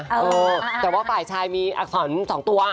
เออแต่ว่าฝ่ายชายมีอักษร๒ตัว